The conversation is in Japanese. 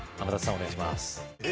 お願いします。